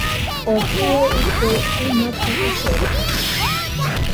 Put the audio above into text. Oo jue igoɨ aimakɨ userena.